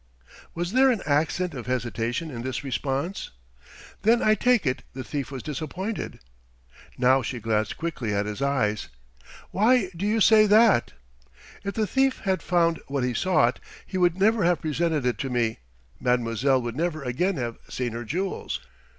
Was there an accent of hesitation in this response? "Then, I take it, the thief was disappointed." Now she glanced quickly at his eyes. "Why do you say that?" "If the thief had found what he sought, he would never have presented it to me, mademoiselle would never again have seen her jewels.